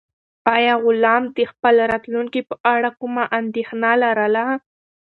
آیا غلام د خپل راتلونکي په اړه کومه اندېښنه لرله؟